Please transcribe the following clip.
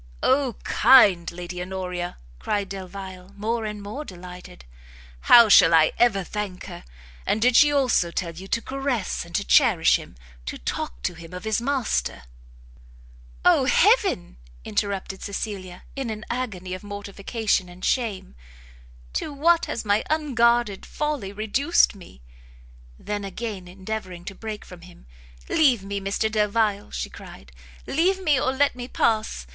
"O kind Lady Honoria!" cried Delvile, more and more delighted, "how shall I ever thank her! And did she also tell you to caress and to cherish him? to talk to him of his master " "O heaven!" interrupted Cecilia, in an agony of mortification and shame, "to what has my unguarded folly reduced me!" Then again endeavouring to break from him, "Leave me, Mr Delvile," she cried, "leave me, or let me pass!